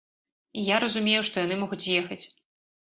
І я разумею, што яны могуць з'ехаць.